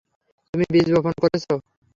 তুমি বীজ বপন করেছ?